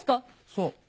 そう。